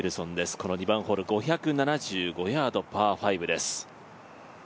この２番ホール５７５ヤード、パー５です。